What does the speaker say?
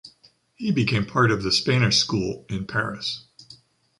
He became part of the Spanish School in Paris.